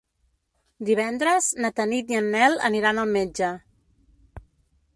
Divendres na Tanit i en Nel aniran al metge.